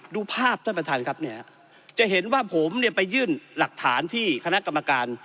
ดูภาพท่านประธานครับเนี่ยจะเห็นว่าผมเนี่ยไปยื่นหลักฐานที่คณะกรรมการ